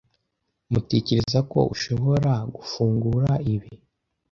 Mutekereza ko ushobora gufungura ibi?